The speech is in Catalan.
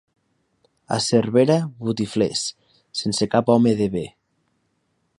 A Cervera, botiflers, sense cap home de bé.